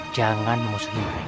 jangan muslim mereka